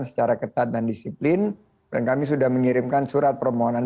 secara ketat dan disiplin dan kami sudah mengirimkan surat permohonan